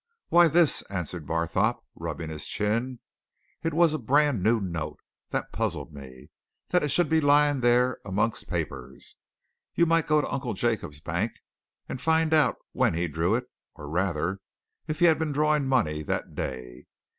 "Why, this," answered Barthorpe, rubbing his chin. "It was a brand new note. That's puzzled me that it should be lying there amongst papers. You might go to Uncle Jacob's bank and find out when he drew it or rather, if he'd been drawing money that day.